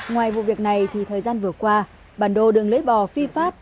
ngoài vụ việc này thì thời gian vừa qua bản đồ đường lưỡi bò phi pháp